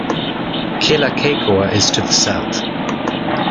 Kealakekua is to the south.